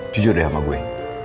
jujur deh sama gue